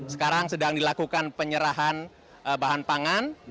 sekarang sedang dilakukan penyerahan bahan pangan